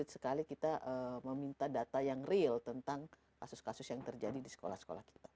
sekali kita meminta data yang real tentang kasus kasus yang terjadi di sekolah sekolah kita